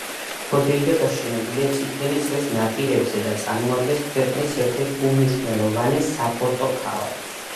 ჰოდეიდა გაშენებულია წითელი ზღვის ნაპირებზე და წარმოადგენს ქვეყნის ერთ-ერთ უმნიშვნელოვანეს საპორტო ქალაქს.